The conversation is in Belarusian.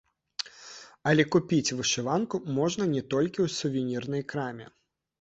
Але купіць вышыванку можна не толькі ў сувенірнай краме.